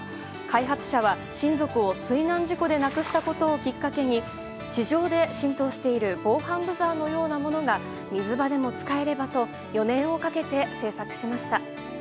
開発者は、親族を水難事故で亡くしたことをきっかけに地上で浸透している防犯ブザーのようなものが水辺でも使えればと４年をかけて制作しました。